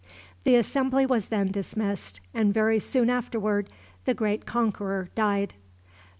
The assembly was then dismissed, and very soon afterward the great conqueror died.